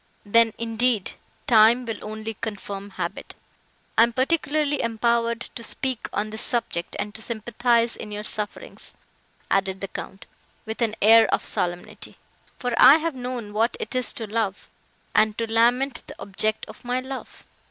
Then, indeed, time will only confirm habit. I am particularly empowered to speak on this subject, and to sympathise in your sufferings," added the Count, with an air of solemnity, "for I have known what it is to love, and to lament the object of my love.